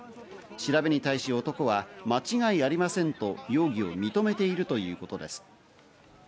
調べに対し男は間違いありませんと容疑を認めているということです。